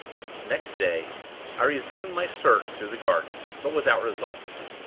Next day, I resumed my search through the gardens; but without result.